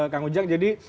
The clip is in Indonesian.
kang ujang jadi